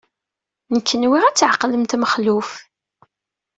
Nekk nwiɣ ad tɛeqlemt Mexluf.